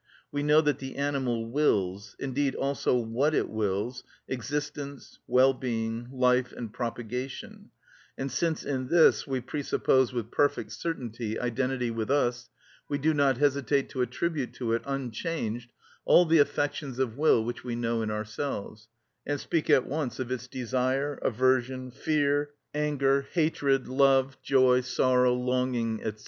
We know that the animal wills, indeed also what it wills, existence, well being, life, and propagation; and since in this we presuppose with perfect certainty identity with us, we do not hesitate to attribute to it unchanged all the affections of will which we know in ourselves, and speak at once of its desire, aversion, fear, anger, hatred, love, joy, sorrow, longing, &c.